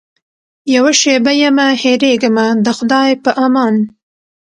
یوه شېبه یمه هېرېږمه د خدای په امان.